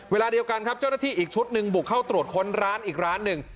เวลาเดียวกันครับเจ้าหน้าที่อีกชุดหนึ่งบุกเข้าตรวจค้นร้านอีกร้านหนึ่ง